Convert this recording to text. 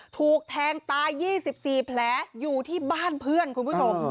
ถูกแทงตาย๒๔แผลอยู่ที่บ้านเพื่อนคุณผู้ชม